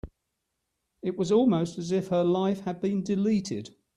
It was almost as if her life had been deleted.